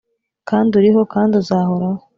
Kandi uriho, kandi uzahoraho.